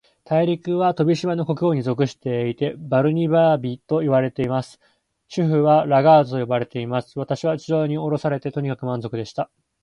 大陸は、飛島の国王に属していて、バルニバービといわれています。首府はラガードと呼ばれています。私は地上におろされて、とにかく満足でした。